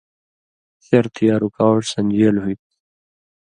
شرط یا رکاوٹ سن٘دژېل ہُوئ تھو؛